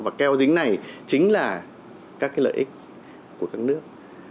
và keo dính này chính là các lợi ích của các nước